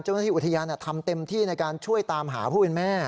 เจ้าหน้าที่อุทยานทำเต็มที่ในการช่วยตามหาผู้เป็นแม่